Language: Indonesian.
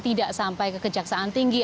tidak sampai ke kejaksaan tinggi